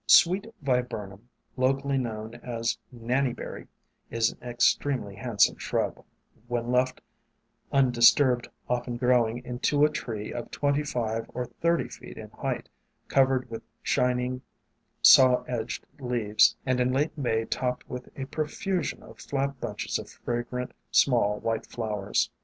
Sweet Viburnum, locally known as Nanny Berry, is an extremely handsome shrub, when left undis turbed often growing into a tree of twenty five or thirty feet in height, covered with shining, saw edged leaves, and in late May topped with a pro fusion of flat bunches of fragrant, small, white flowers.